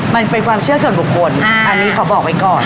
มันเป็นความเชื่อส่วนบุคคลอันนี้ขอบอกไว้ก่อน